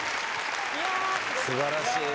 素晴らしい。